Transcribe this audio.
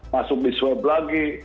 masuk di swab lagi